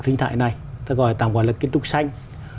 sinh thái này tạm gọi là kiến trúc xanh